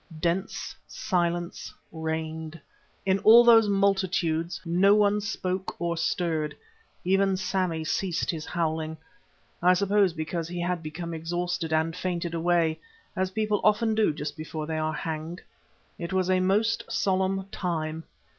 Dense silence reigned. In all those multitudes no one spoke or stirred; even Sammy ceased his howling, I suppose because he had become exhausted and fainted away, as people often do just before they are hanged. It was a most solemn time.